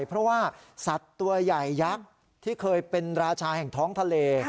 เพราะว่าสัตว์ตัวใหญ่ยักษ์ที่เคยเป็นราชาแห่งท้องทะเล